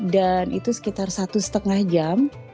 dan itu sekitar satu setengah jam